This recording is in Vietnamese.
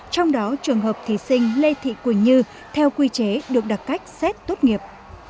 trong đó trường hợp thí sinh lê thị quỳnh như theo quy chế được đặt cách xét tốt nghiệp